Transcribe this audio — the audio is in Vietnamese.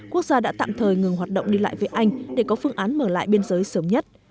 quốc gia đã tạm thời ngừng hoạt động đi lại với anh để có phương án mở lại biên giới sớm nhất